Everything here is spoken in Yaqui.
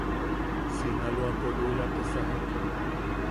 Jum Sinaloapo luula te sajak.